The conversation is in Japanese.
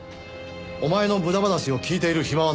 お前の無駄話を聞いている暇はない。